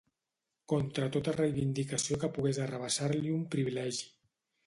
Contra tota reivindicació que pogués arrabassar-li un privilegi.